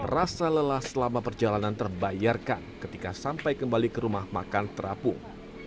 rasa lelah selama perjalanan terbayarkan ketika sampai kembali ke rumah makan terapung